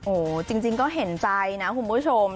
โอ้โหจริงก็เห็นใจนะคุณผู้ชม